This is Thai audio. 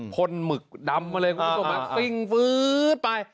คนหมึกดำมาเลยคุณผู้ชมปิ้งฟื๊ดไป